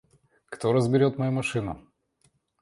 Кто разберёт мою машину?